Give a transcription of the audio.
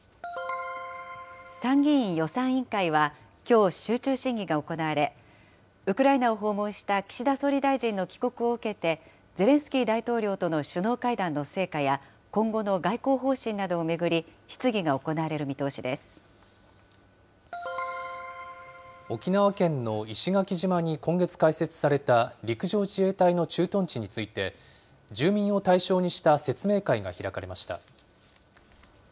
参議院予算委員会は、きょう、集中審議が行われ、ウクライナを訪問した岸田総理大臣の帰国を受けて、ゼレンスキー大統領との首脳会談の成果や、今後の外交方針などを巡り、質疑が行われる見通沖縄県の石垣島に今月開設された陸上自衛隊の駐屯地について、住民を対象にした説明会が開かれました。